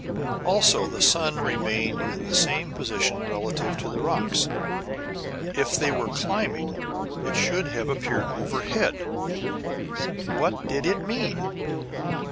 Also, the sun remained in the same position relative to the rocks; if they were climbing, it should have appeared overhead. What did it mean?